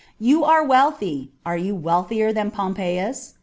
You are wealthy : are you wealthier than Pompeius